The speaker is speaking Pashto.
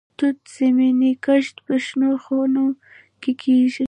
د توت زمینی کښت په شنو خونو کې کیږي.